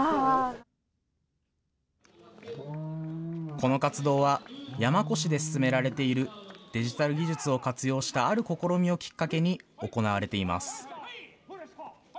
この活動は山古志で進められているデジタル技術を活用した、ある試みをきっかけに、行われています。